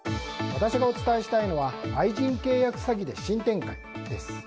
私がお伝えしたいのは愛人契約詐欺で新展開です。